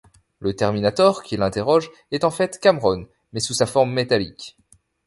Le Terminator qui l'interroge est en fait Cameron mais sous sa forme métallique.